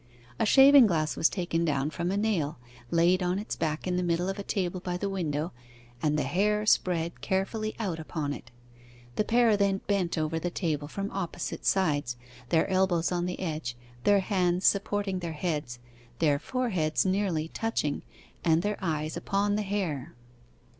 A shaving glass was taken down from a nail, laid on its back in the middle of a table by the window, and the hair spread carefully out upon it. The pair then bent over the table from opposite sides, their elbows on the edge, their hands supporting their heads, their foreheads nearly touching, and their eyes upon the hair.